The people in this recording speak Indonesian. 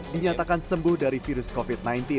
dinyatakan sembuh dari virus covid sembilan belas